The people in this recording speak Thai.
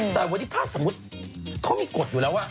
แต่วันนี้ถ้าสมมุติเขามีกฎอยู่แล้วว่า